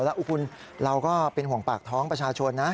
แล้วคุณเราก็เป็นห่วงปากท้องประชาชนนะ